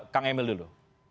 kang emil dulu